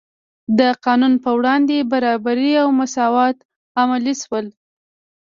د قانون په وړاندې برابري او مساوات عملي شول.